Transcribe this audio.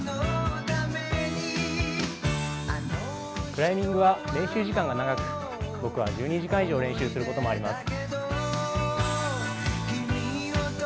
クライミングは練習時間が長く、僕は１２時間以上練習することもあります。